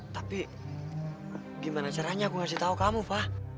tapi gimana caranya aku ngasih tahu kamu fah